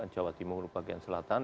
jawa timur bagian selatan